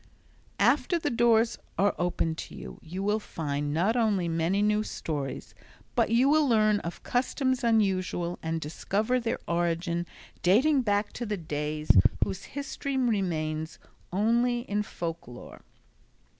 After the doors are open to you, you will find not only many new stories, but you will learn of customs unusual and discover their origin dating back to the days whose history remains only in Folk Lore.